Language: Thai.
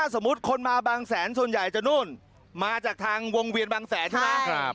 สมมุติคนมาบางแสนส่วนใหญ่จะนู่นมาจากทางวงเวียนบางแสนใช่ไหม